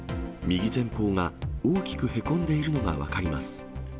右前方が大きくへこんでいるのが分かります。